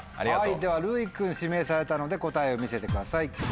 はいではるうい君指名されたので答えを見せてください。